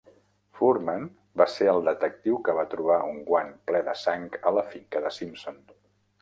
Fuhrman va ser el detectiu que va trobar un guant ple de sang a la finca de Simpson.